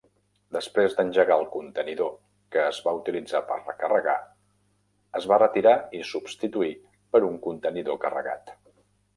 Després d'engegar el contenidor que es va utilitzar per recarregar, es va retirar i substituir per un contenidor carregat.